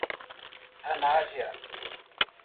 Anadia